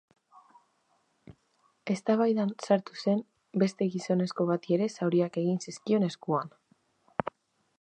Eztabaidan sartu zen beste gizonezko bati ere zauriak egin zizkion eskuan.